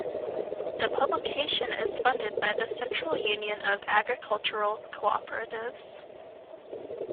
The publication is funded by the Central Union of Agricultural Cooperatives.